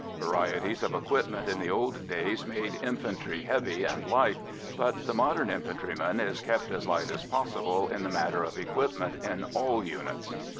Varieties of equipment in the old days made infantry "heavy" and "light," but the modern infantryman is kept as light as possible in the matter of equipment in all units.